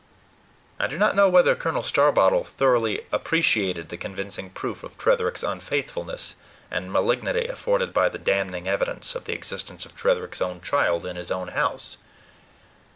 I do not know whether Colonel Starbottle thoroughly appreciated the convincing proof of Tretherick's unfaithfulness and malignity afforded by the damning evidence of the existence of Tretherick's own child in his own house.